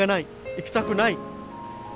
行きたくない。